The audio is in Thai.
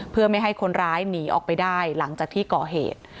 เพื่อไม่ให้คนร้ายหนีออกไปได้หลังจากที่ก่อเหตุ